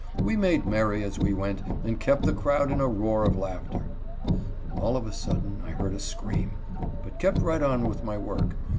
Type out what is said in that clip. We made merry as we went, and kept the crowd in a roar of laughter. All of a sudden I heard a scream, but kept right on with my work.